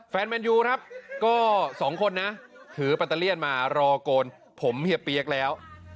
แมนยูครับก็สองคนนะถือปัตเตอร์เลี่ยนมารอโกนผมเฮียเปี๊ยกแล้ว